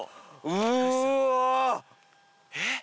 うわ。えっ？